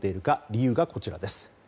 理由がこちらです。